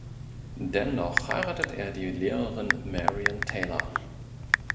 Dennoch heiratet er die Lehrerin Marion Taylor.